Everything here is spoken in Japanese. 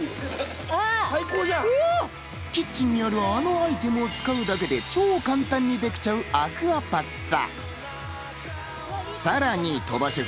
キッチンにある、あのアイテムを使うだけで、超簡単にできちゃう、アクアパッツァ。